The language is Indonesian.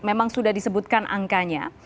memang sudah disebutkan angkanya